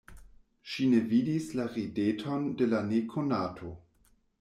Ŝi ne vidis la rideton de la nekonato.